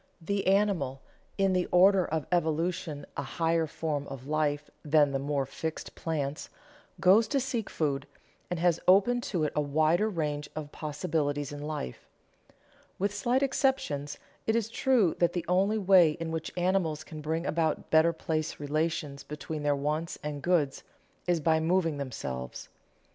The animal, in the order of evolution a higher form of life than the more fixed plants, goes to seek food, and has open to it a wider range of possibilities in life. With slight exceptions, it is true that the only way in which animals can bring about better place relations between their wants and goods is by moving themselves.